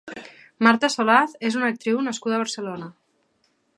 Marta Solaz és una actriu nascuda a Barcelona.